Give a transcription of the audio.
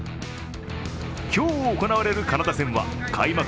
今日行われるカナダ戦は開幕